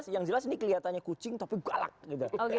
yang jelas ini kelihatannya kucing tapi galak gitu